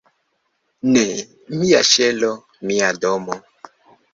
"Ne! Mia ŝelo! Mia domo!"